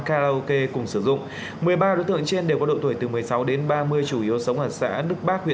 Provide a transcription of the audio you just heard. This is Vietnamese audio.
karaoke cùng sử dụng một mươi ba đối tượng trên đều có độ tuổi từ một mươi sáu đến ba mươi chủ yếu sống ở xã đức bác huyện